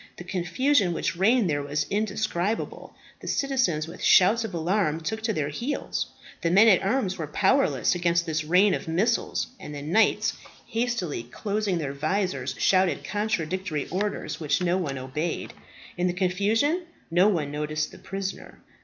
The confusion which reigned there was indescribable. The citizens with shouts of alarm took to their heels. The men at arms were powerless against this rain of missiles, and the knights, hastily closing their visors, shouted contradictory orders, which no one obeyed. In the confusion no one noticed the prisoner.